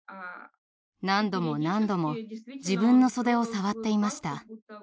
何度も何度も自分の袖を触っていました。